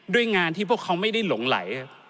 ด้วยงานที่พวกเขาไม่ได้หลงไหล